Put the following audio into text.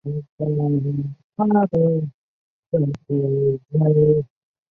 该球证于葡萄牙对荷兰的比赛后被世界足协停职。